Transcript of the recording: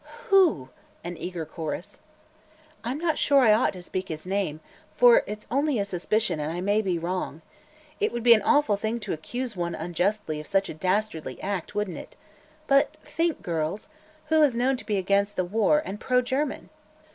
"Who?" an eager chorus. "I'm not sure I ought to speak his name, for it's only a suspicion and I may be wrong. It would be an awful thing to accuse one unjustly of such a dastardly act, wouldn't it? But think, girls! who is known to be against the war, and pro German?